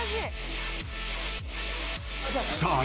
［さあ